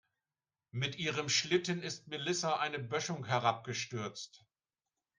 Mit ihrem Schlitten ist Melissa eine Böschung herabgestürzt.